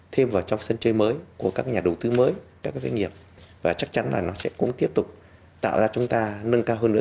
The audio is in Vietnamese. thêm vào trong sân chơi mới của các nhà đầu tư mới các doanh nghiệp và chắc chắn là nó sẽ cũng tiếp tục tạo ra chúng ta nâng cao hơn nữa